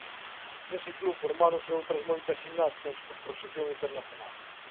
Nese club formáronse outras moitas ximnastas con proxección internacional.